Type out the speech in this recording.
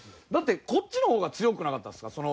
だってこっちの方が強くなかったですか？